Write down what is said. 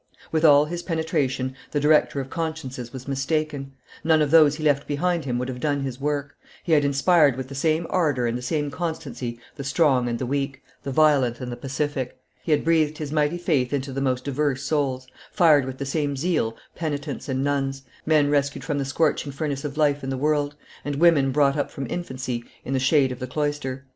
With all his penetration the director of consciences was mistaken; none of those he left behind him would have done his work; he had inspired with the same ardor and the same constancy the strong and the weak, the violent and the pacific; he had breathed his mighty faith into the most diverse souls, fired with the same zeal penitents and nuns, men rescued from the scorching furnace of life in the world, and women brought up from infancy in the shade of the cloister.